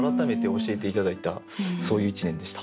そういう一年でした。